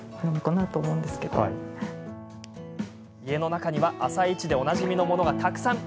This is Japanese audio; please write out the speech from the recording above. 家の中には「あさイチ」でおなじみのものが、たくさん。